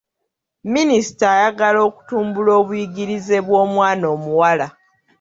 Minisita ayagala okutumbula obuyigirize bw'omwana omuwala.